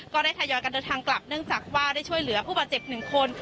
ทยอยกันเดินทางกลับเนื่องจากว่าได้ช่วยเหลือผู้บาดเจ็บ๑คน